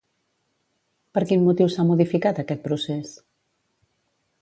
Per quin motiu s'ha modificat aquest procés?